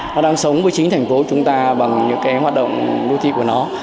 nó đang sống với chính thành phố chúng ta bằng những cái hoạt động đô thị của nó